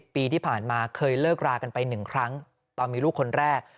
ปีที่ผ่านมาเคยเลิกรากันไป๑ครั้งตอนมีลูกคนแรก